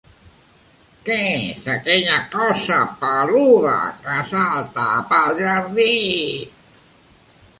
Què és aquella cosa peluda que salta pel jardí?